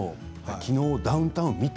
きのうダウンタウン見た？